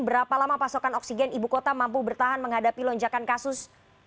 berapa lama pasokan oksigen ibu kota mampu bertahan menghadapi lonjakan kasus